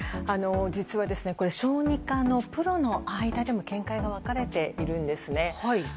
実は小児科のプロの間でも見解が分かれているんですね。